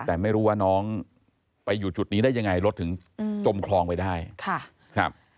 แต่ไม่รู้ว่าน้องไปอยู่จุดนี้ได้ยังไงรถถึงจมคลองไปได้ค่ะครับ